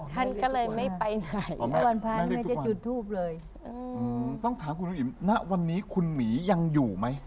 ท่านก็เลยไม่ไปไหนต้องถามคุณอุ่งอินณวันนี้คุณหมียังอยู่ไหม